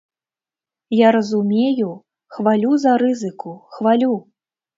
Я разумею, хвалю за рызыку, хвалю.